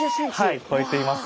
はい超えています。